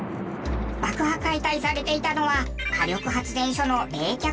爆破解体されていたのは火力発電所の冷却塔なんです。